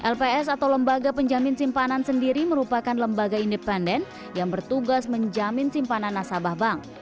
lps atau lembaga penjamin simpanan sendiri merupakan lembaga independen yang bertugas menjamin simpanan nasabah bank